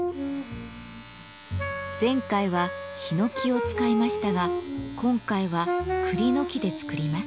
前回はヒノキを使いましたが今回はクリの木で作ります。